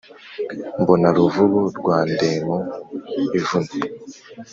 mbona ruvubu rwa ndembo ivuna.